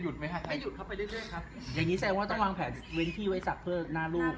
หยุดเว้ยสักเพื่อน่ารู